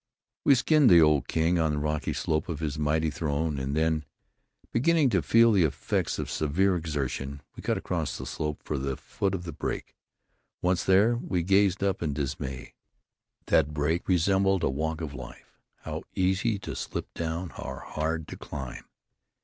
We skinned the old king on the rocky slope of his mighty throne, and then, beginning to feel the effects of severe exertion, we cut across the slope for the foot of the break. Once there, we gazed up in disarray. That break resembled a walk of life how easy to slip down, how hard to climb!